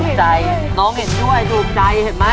ใจน้องเห็นด้วยถูกใจเห็นไหม